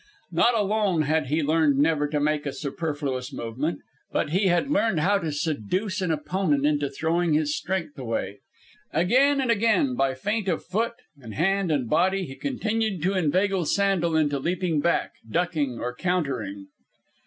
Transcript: Not alone had he learned never to make a superfluous movement, but he had learned how to seduce an opponent into throwing his strength away. Again and again, by feint of foot and hand and body he continued to inveigle Sandel into leaping back, ducking, or countering.